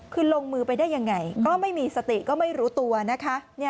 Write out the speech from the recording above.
คือลงมือไปได้ยังไงก็ไม่มีสติก็ไม่รู้ตัวนะคะ